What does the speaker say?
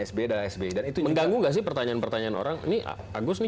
sba adalah sba dan itu mengganggu gak sih pertanyaan pertanyaan orang nih agus nih